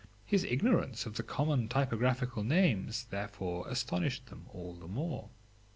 His ignorance of the commonest typographical names, therefore astonished them all the more.